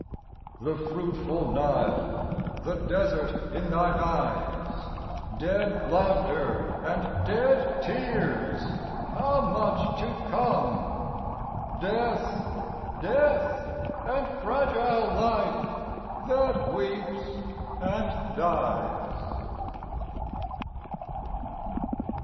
The fruitful Nile, the desert in thine eyes Dead laughter, and dead tears How much to come ? Death, death, and fragile life that weeps and dies.